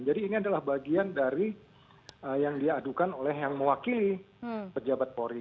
jadi ini adalah bagian dari yang diadukan oleh yang mewakili pejabat polri